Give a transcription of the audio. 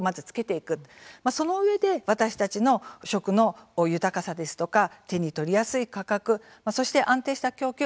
そのうえで私たちの食の豊かさですとか手に取りやすい価格そして安定した供給